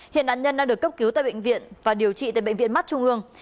hiện nạn nhân đang được cấp cứu tại bệnh viện và điều trị tại bệnh viện mắt trung ương